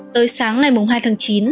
tới sáng ngày hai tháng chín